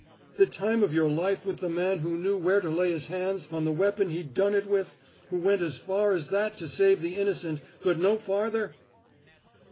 The time of your life with the man who knew where to lay hands on the weapon he'd done it with, who went as far as that to save the innocent, but no farther!"